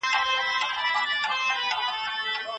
هغې د یو ماهر کس تقلید کړی و.